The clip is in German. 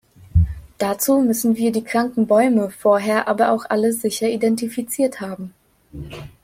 Dazu müssen wir die kranken Bäume vorher aber auch alle sicher identifiziert haben.